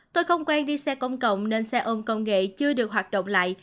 tôi không quen đi xe công cộng nên xe ôm công nghệ chưa được hoạt động lại